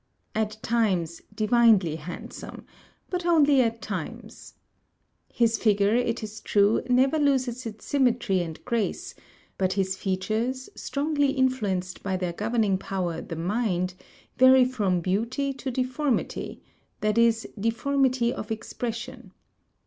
At times, divinely handsome; but only at times. His figure, it is true, never loses its symmetry and grace; but his features, strongly influenced by their governing power the mind, vary from beauty to deformity; that is, deformity of expression.